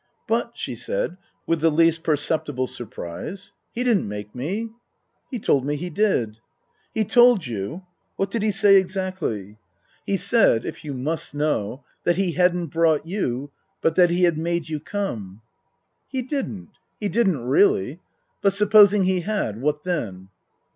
" But," she said, with the least perceptible surprise, " he didn't make me." " He told me he did." " He told you ? What did he say exactly ?" 76 Tasker Jevons " He said if you must know that he hadn't brought you, but that he had made you come." " He didn't. He didn't really. But supposing he had what then